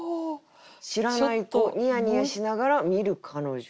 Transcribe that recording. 「知らない子ニヤニヤしながら見る彼女」。